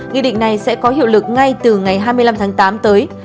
nghị định này sẽ có hiệu lực ngay từ ngày hai mươi năm tháng tám tới